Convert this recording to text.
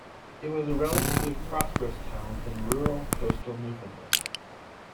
It was a relatively prosperous town within rural, coastal Newfoundland.